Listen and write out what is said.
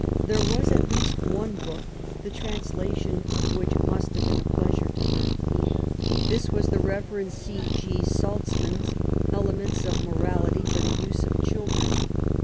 There was at least one book the translation of which must have been a pleasure to her. This was the Rev. C. G. Salzmann's Elements of Morality f for the use of Children.